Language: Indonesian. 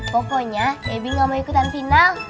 pokoknya eby gak mau ikutan final